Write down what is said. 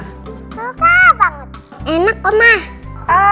suka banget enak oma